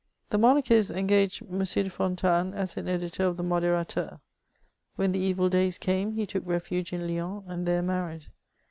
The Monarchists engaged M. de Fontanes as an editor of the Modkrateur, When the evil days came^ he took refuge in Lyons, and there married.